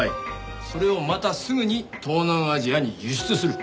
それをまたすぐに東南アジアに輸出する。